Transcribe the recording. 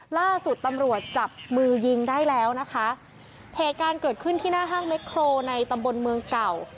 ล่าสุดตำรวจจับมือยิงได้แล้วนะคะเหตุการณ์เกิดขึ้นที่หน้าห้างเม็กโครในตำบลเมืองเก่า